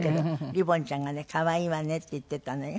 「リボンちゃんがね可愛いわね」って言ってたのよ。